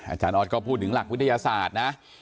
อาจารย์ออสก็พูดถึงหลักวิทยาศาสตร์นะ